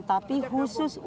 tapi khusus untuk